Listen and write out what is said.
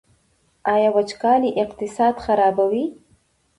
آیا وچکالي اقتصاد خرابوي؟